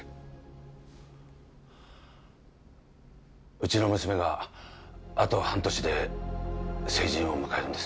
うちの娘があと半年で成人を迎えるんです